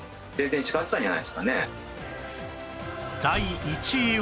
第１位は